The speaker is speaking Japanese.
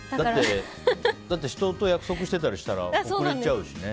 だって人と約束してたりしてたら遅れちゃうしね。